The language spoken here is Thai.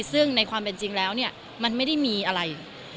ซึ่งในความเป็นจริงแล้วเนี่ยมันไม่ได้มีอะไร